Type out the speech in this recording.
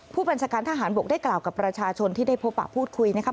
ผู้บัญชาการทหารบกได้กล่าวกับประชาชนที่ได้พบปะพูดคุยนะครับ